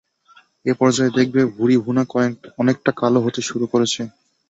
এ পর্যায়ে দেখবে ভুড়ি ভুনা অনেকটা কালো হতে শুরু করেছে।